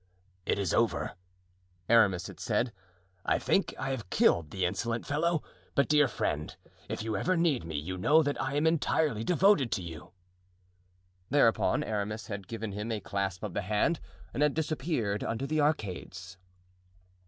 "It is over," Aramis had said. "I think I have killed the insolent fellow. But, dear friend, if you ever need me you know that I am entirely devoted to you." Thereupon Aramis had given him a clasp of the hand and had disappeared under the arcades.